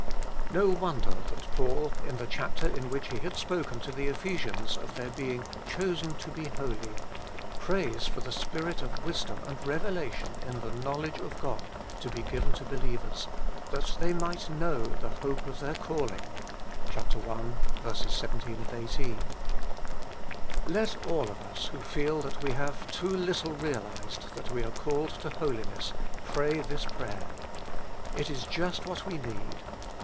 No wonder that Paul, in the chapter in which he GOD'S CALL TO HOLINESS. 13 had spoken to the Ephesians of their being 'chosen to be holy/ prays for the spirit of wisdom and revela tion in the knowledge of God to be given to believers, that they might know ' the hope of their calling ' (i. 17, 18). Let all of us, who feel that we have too little realized that we are called to Holiness, pray this prayer. It is just what we need.